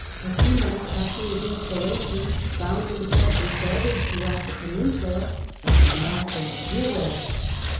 a few months after his installation, found himself regarded throughout the peninsula as the national hero.